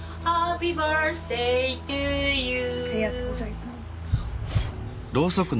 ありがとうございます。